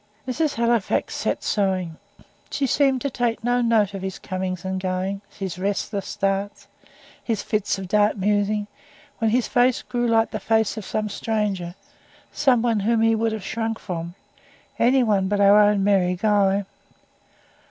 Mrs. Halifax sat sewing. She seemed to take no note of his comings and goings his restless starts his fits of dark musing, when his face grew like the face of some stranger, some one whom he would have shrunk from any one but our own merry Guy.